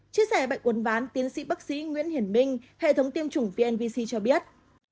chia sẻ bệnh uốn ván tiến sĩ bác sĩ nguyễn hiển minh hệ thống tiêm chủng vnvc cho biết